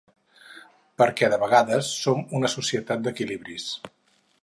Perquè de vegades som una societat d’equilibris.